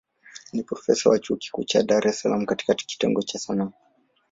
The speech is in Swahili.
Ni profesa wa chuo kikuu cha Dar es Salaam katika kitengo cha Sanaa.